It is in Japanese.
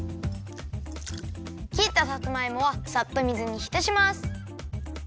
きったさつまいもはさっと水にひたします。